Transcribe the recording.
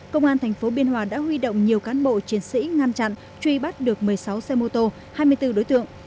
công an tp biên hòa đã huy động nhiều cán bộ chiến sĩ ngăn chặn truy bắt được một mươi sáu xe mô tô hai mươi bốn đối tượng